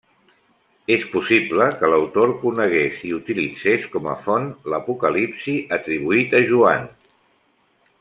És possible que l'autor conegués i utilitzés com a font, l'Apocalipsi atribuït a Joan.